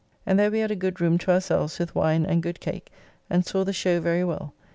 ] and there we had a good room to ourselves, with wine and good cake, and saw the show very well.